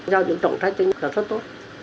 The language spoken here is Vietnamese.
giao những trọng trách cho những người là rất tốt